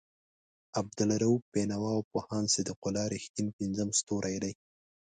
عبالرؤف بېنوا او پوهاند صدیق الله رښتین پنځم ستوری دی.